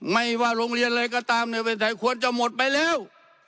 ไม่ว่าโรงเรียนอะไรก็ตามในประเทศไทยควรจะหมดไปแล้ว